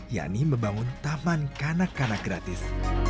yakni membangun taman kanak kanak gratis